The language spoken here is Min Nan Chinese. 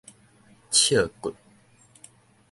尺骨